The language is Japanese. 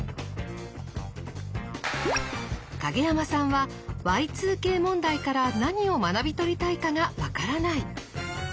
影山さんはＹ２Ｋ問題から何を学び取りたいかが分からない。